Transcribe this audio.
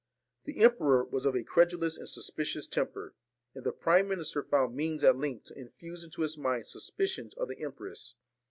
The emperor was of a credulous and suspicious temper, and the prime minister found means at length to infuse into his mind suspicions of the empress.